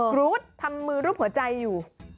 กรู๊ดทำมือรูปหัวใจอยู่